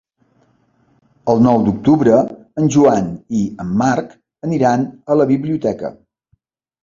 El nou d'octubre en Joan i en Marc aniran a la biblioteca.